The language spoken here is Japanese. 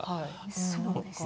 そうですね。